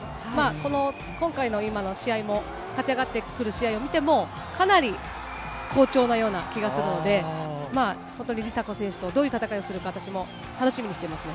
この今回の今の試合も、勝ち上がってくる試合を見ても、かなり好調なような気がするので、本当に梨紗子選手とどういう戦いをするか、私も楽しみにしてますね。